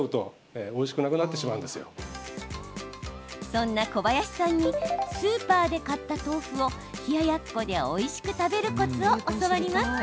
そんな小林さんにスーパーで買った豆腐を冷ややっこでおいしく食べるコツを教わります。